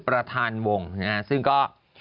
ประธานวงซึ่งก็